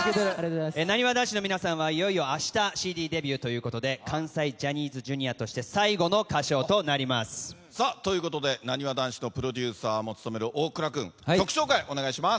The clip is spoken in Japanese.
なにわ男子のみなさんはいよいよあしたＣＤデビューということで関西ジャニーズＪｒ．としてはなにわ男子のプロデューサーも務める大倉君曲紹介お願いします。